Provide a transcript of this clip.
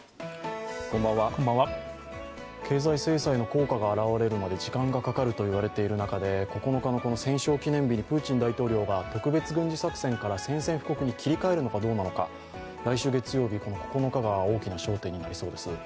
経済制裁の効果が表れるまで時間がかかるといわれている中で９日の戦勝記念日にプーチン大統領が特別軍事作戦から宣戦布告に切り替えるのかどうなのか来週月曜日の９日が大きな焦点となりそうです。